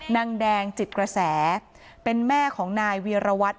นางแดงจิตกระแสเป็นแม่ของนายเวียรวัตร